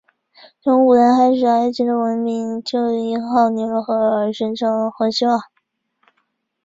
从古代开始埃及的文明就依靠尼罗河而形成和兴旺。